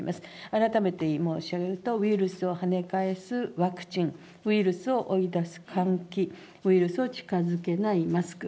改めて申し上げると、ウイルスを跳ね返す、ワクチン、ウイルスを追い出す換気、ウイルスを近づけないマスク。